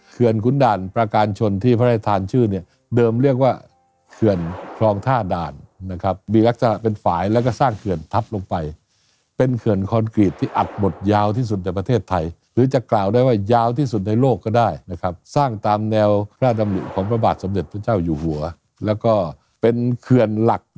ขุนด่านประการชนที่พระราชทานชื่อเนี่ยเดิมเรียกว่าเขื่อนคลองท่าด่านนะครับมีลักษณะเป็นฝ่ายแล้วก็สร้างเขื่อนทับลงไปเป็นเขื่อนคอนกรีตที่อัดบทยาวที่สุดในประเทศไทยหรือจะกล่าวได้ว่ายาวที่สุดในโลกก็ได้นะครับสร้างตามแนวพระดำริของพระบาทสมเด็จพระเจ้าอยู่หัวแล้วก็เป็นเขื่อนหลัก